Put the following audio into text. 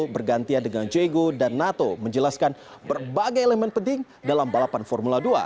bergantian dengan jago dan nato menjelaskan berbagai elemen penting dalam balapan formula dua